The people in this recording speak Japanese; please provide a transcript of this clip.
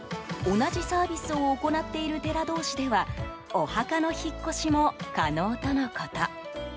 同じサービスを行っている寺同士ではお墓の引っ越しも可能とのこと。